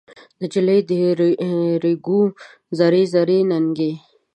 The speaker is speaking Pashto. نجلۍ د ریګو زر زري ننکۍ